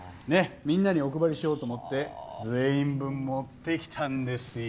皆にお配りしようと思って全員分持ってきたんですよ。